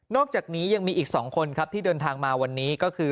อกจากนี้ยังมีอีก๒คนครับที่เดินทางมาวันนี้ก็คือ